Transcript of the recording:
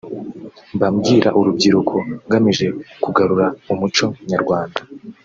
Mba mbwira urubyiruko ngamije kugarura umuco nyarwanda